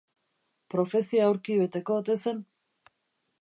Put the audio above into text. Profezia aurki beteko ote zen?.